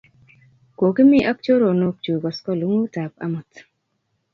Kokimi ak choronok chuk koskoling'ut ap amut